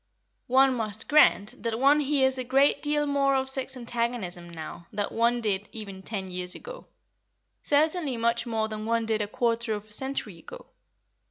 One must grant that one hears a great deal more of sex antagonism now than one did even ten years ago; certainly much more than one did a quarter of a century ago.